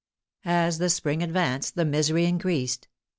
As the spring advanced the misery increased.